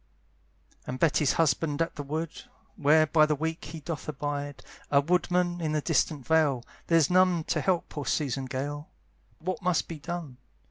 And Betty's husband's at the wood, Where by the week he doth abide, A woodman in the distant vale; There's none to help poor Susan Gale, What must be done?